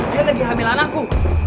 dia lagi hamilan aku